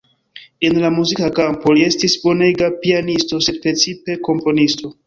En la muzika kampo li estis bonega pianisto, sed precipe komponisto.